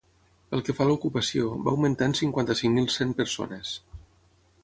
Pel que fa a l’ocupació, va augmentar en cinquanta-cinc mil cent persones.